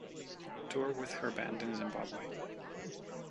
Tour with her band in Zimbabwe.